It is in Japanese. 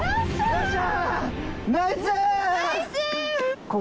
よっしゃ！